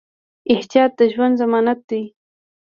احتیاط د ژوند ضمانت دی.